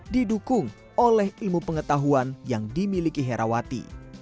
didukung oleh ilmu pengetahuan yang dimiliki herawati